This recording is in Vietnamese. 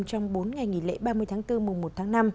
trong bốn ngày nghỉ lễ ba mươi tháng bốn mùng một tháng năm